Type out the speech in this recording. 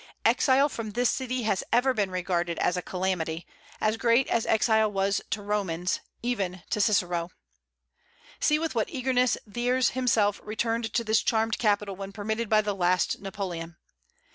Exile from this city has ever been regarded as a great calamity, as great as exile was to Romans, even to Cicero. See with what eagerness Thiers himself returned to this charmed capital when permitted by the last Napoleon!